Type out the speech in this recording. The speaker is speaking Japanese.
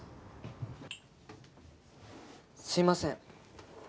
すいません。